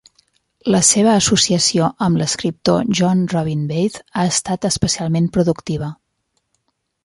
La seva associació amb l'escriptor Jon Robin Baitz ha estat especialment productiva.